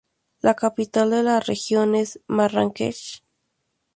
La capital de la región es Marrakech.